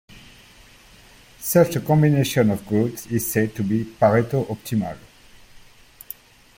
Such a combination of goods is said to be Pareto optimal.